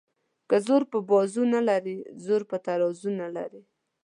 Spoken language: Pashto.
ـ که زور په بازو نه لري زر په ترازو نه لري.